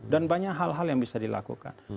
dan banyak hal hal yang bisa dilakukan